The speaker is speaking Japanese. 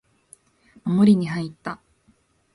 守りに入った